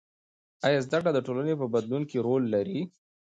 آیا زده کړه د ټولنې په بدلون کې رول لري؟